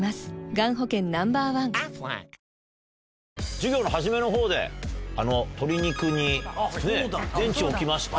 授業の初めのほうで鶏肉に電池を置きましたね。